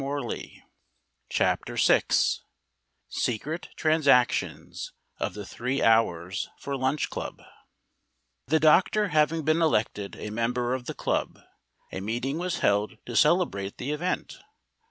SECRET TRANSACTIONS OF THE THREE HOURS FOR LUNCH CLUB The doctor having been elected a member of the club, a meeting was held to celebrate the event.